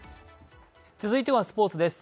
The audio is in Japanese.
続いてはスポーツです。